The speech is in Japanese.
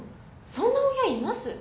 そんな親います？